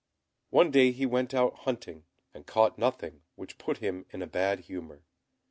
One day he went out hunting, and caught nothing, which put him in a bad humour.